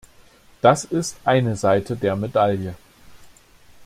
Das ist eine Seite der Medaille.